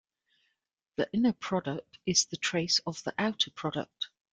The inner product is the trace of the outer product.